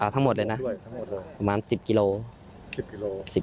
ทั้งหมดเลยนะประมาณ๑๐กิโล๑๐กิโล